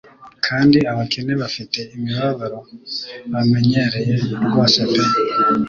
Kandi abakene bafite imibabaro bamenyereye rwose pe